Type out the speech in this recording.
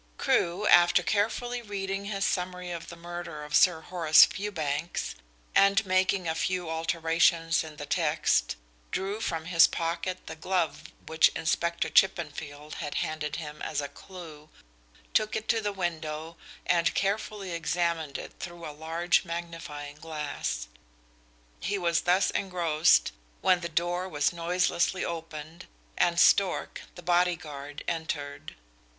Crewe, after carefully reading his summary of the murder of Sir Horace Fewbanks, and making a few alterations in the text, drew from his pocket the glove which Inspector Chippenfield had handed him as a clue, took it to the window, and carefully examined it through a large magnifying glass. He was thus engrossed when the door was noiselessly opened, and Stork, the bodyguard, entered.